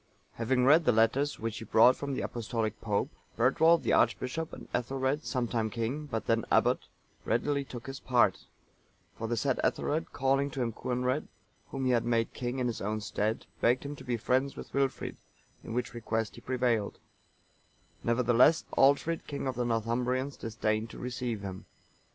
Having read the letters which he brought from the Apostolic Pope, Bertwald, the archbishop, and Ethelred,(928) sometime king, but then abbot, readily took his part; for the said Ethelred, calling to him Coenred,(929) whom he had made king in his own stead, begged him to be friends with Wilfrid, in which request he prevailed; nevertheless Aldfrid, king of the Northumbrians, disdained to receive him.